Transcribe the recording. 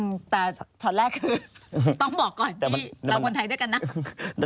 แต่ช็อตแรกคือต้องบอกก่อนที่เราคนไทยด้วยกันนะ